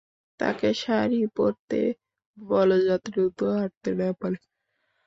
তাকে শাড়ি পরতে বল যাতে দ্রুত হাঁটতে না পারে।